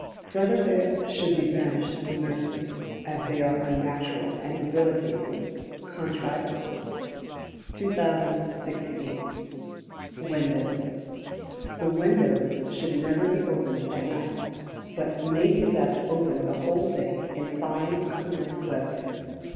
Feather Beds should be banished from nurseries, as they are unnatural and debilitating contrivances. 2068. Windows. The Windows should never be opened at night, but may be left open the whole day in fine clear weather.